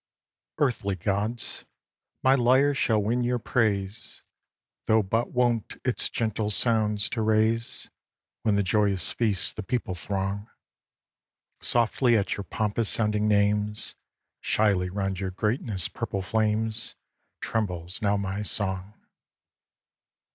Earthly gods my lyre shall win your praise, Though but wont its gentle sounds to raise When the joyous feast the people throng; Softly at your pompous sounding names, Shyly round your greatness purple flames, Trembles now my song.